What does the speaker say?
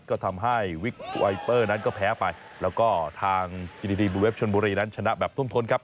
ก็ทำให้นั้นก็แพ้ไปแล้วก็ทางชนบุรีนั้นชนะแบบทุ่มทนครับ